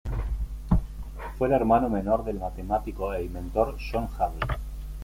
Fue el hermano menor del matemático e inventor John Hadley.